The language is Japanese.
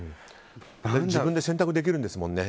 自分で選択できるんですもんね